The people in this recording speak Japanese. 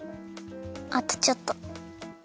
あとちょっと。